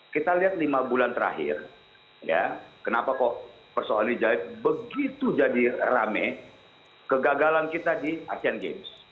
kita lihat lima bulan terakhir ya kenapa kok persoalan hijab begitu jadi rame kegagalan kita di asean games